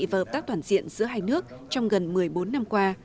và hợp tác toàn diện giữa hai nước trong gần một mươi bốn năm qua